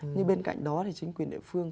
nhưng bên cạnh đó thì chính quyền địa phương